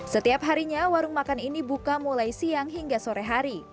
setiap harinya warung makan ini buka mulai siang hingga sore hari